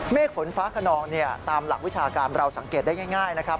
ฝนฟ้าขนองตามหลักวิชาการเราสังเกตได้ง่ายนะครับ